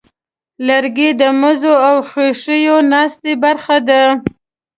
لرګی د مزو او خوښیو ناستې برخه ده.